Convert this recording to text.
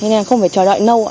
thế nên không phải chờ đợi lâu ạ